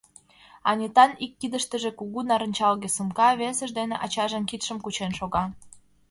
Анитан ик кидыштыже кугу нарынчалге сумка, весыж дене ачажын кидшым кучен шога.